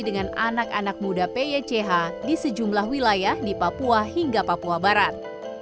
dengan anak anak muda pych di sejumlah wilayah di papua hingga papua barat